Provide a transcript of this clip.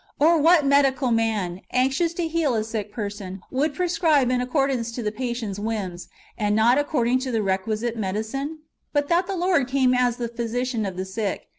Or what medical man, anxious to heal a sick person, would prescribe in accordance with the patient's whims, and not according to the requisite medicine ? But that the Lord came as the physician of the sick.